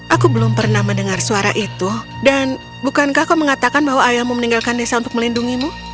aku belum pernah mendengar suara itu dan bukankah kau mengatakan bahwa ayahmu meninggalkan desa untuk melindungimu